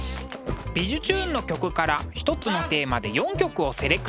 「びじゅチューン！」の曲から一つのテーマで４曲をセレクト。